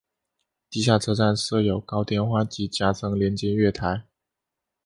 地下车站设有高天花及夹层连接月台。